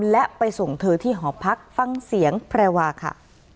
และไปส่งเธอที่หอพักฟังเสียงแพรวาค่ะ